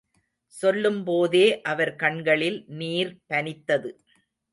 சொல்லும்போதே அவர் கண்களில் நீர் பனித்தது.